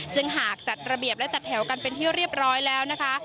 ซึ่งหากจัดระเบียบและจัดแถวกันเป็นที่เรียบร้อยแล้วนะคะ